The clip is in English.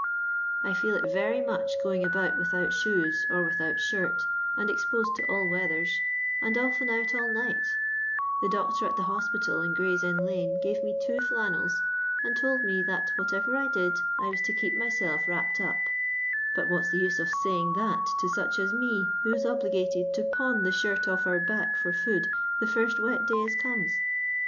I feel it very much going about without shoes or without shirt, and exposed to all wea thers, and often out nil night The doctor at the hospital in Oray's inn lane gaye me two flannels, and told me that whatever I did I was to keep myself wrap{)ed up ; but what *s the use of saying that to such as me who is obligated to pawn the shirt oif our back for food the first wet day OS comes